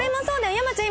山ちゃん